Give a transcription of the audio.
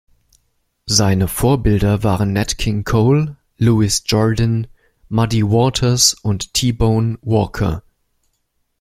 Seine Vorbilder waren Nat King Cole, Louis Jordan, Muddy Waters und T-Bone Walker.